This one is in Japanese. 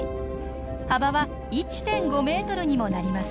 幅は１．５メートルにもなります。